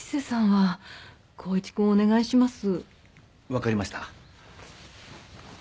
わかりました。